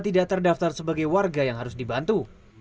tidak terdaftar sebagai warga yang harus dibantu